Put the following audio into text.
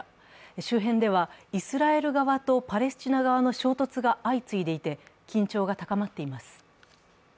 周辺ではイスラエル側とパレスチナ側の衝突が相次いでいて、緊張が高まっています。